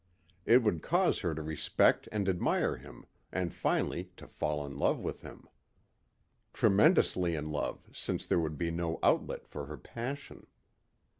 It would cause her to respect and admire him and finally to fall in love with him. Tremendously in love since there would be no outlet for her passion.